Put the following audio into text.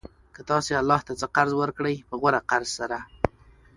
كه تاسي الله ته څه قرض ورکړئ په غوره قرض سره